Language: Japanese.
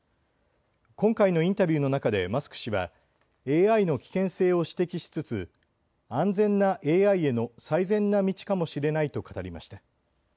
今回のインタビューの中でマスク氏はＡＩの危険性を指摘しつつ安全なＡＩへの最善な道かもしれないと語りました。